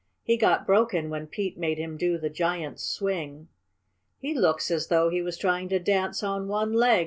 "He got broken when Pete made him do the giant's swing." "He looks as though he was trying to dance on one leg!"